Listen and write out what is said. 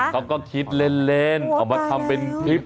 เขาก็คิดเล่นเอามาทำเป็นคลิป